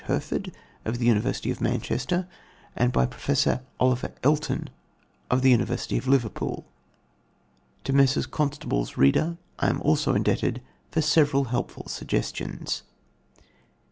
Herford of the University of Manchester and by Professor Oliver Elton of the University of Liverpool. To Messrs. Constable's reader I am also indebted for several helpful suggestions.